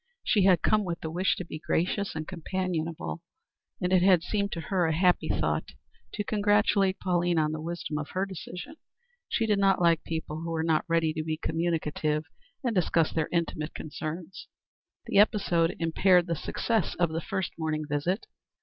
She had come with the wish to be gracious and companionable, and it had seemed to her a happy thought to congratulate Pauline on the wisdom of her decision. She did not like people who were not ready to be communicative and discuss their intimate concerns. The episode impaired the success of the first morning visit.